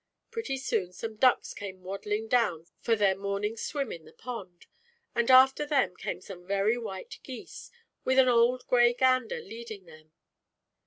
Pretty soon some ducks came waddling down fo their morning swim in the pond, and after them came some very white geese, with an old gray gander leading them.